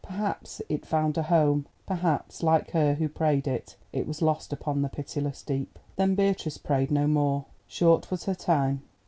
Perhaps it found a home—perhaps, like her who prayed it, it was lost upon the pitiless deep. Then Beatrice prayed no more. Short was her time.